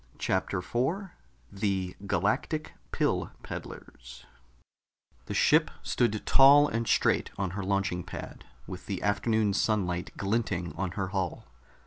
'" CHAPTER 4 THE GALACTIC PILL PEDDLERS The ship stood tall and straight on her launching pad, with the afternoon sunlight glinting on her hull.